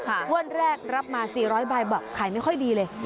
งวดแรกรับมา๔๐๐ใบบอกขายไม่ค่อยดีเลย